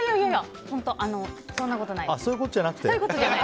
そんなことないです。